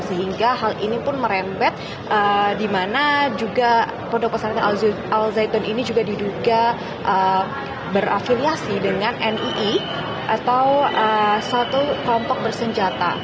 sehingga hal ini pun merenbet dimana juga pondok kesatuan al zaidun ini juga diduga berafiliasi dengan nii atau satu kelompok bersenjata